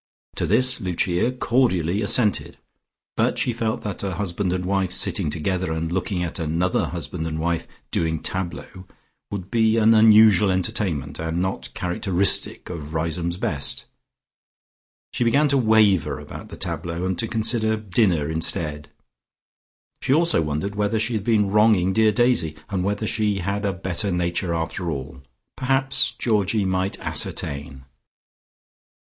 To this Lucia cordially assented, but she felt that a husband and wife sitting together and looking at another husband and wife doing tableaux would be an unusual entertainment, and not characteristic of Riseholme's best. She began to waver about the tableaux and to consider dinner instead. She also wondered whether she had been wronging dear Daisy, and whether she had a better nature after all. Perhaps Georgie might ascertain.